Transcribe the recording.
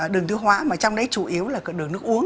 đường tiêu hóa mà trong đấy chủ yếu là đường nước uống